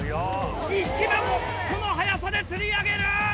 ２匹目もこの早さで釣り上げる！